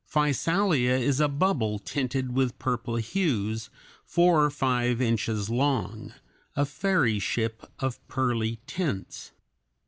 Physalia is a bubble tinted with purple hues, four or five inches long a fairy ship of pearly tints.